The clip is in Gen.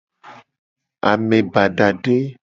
Ame badade.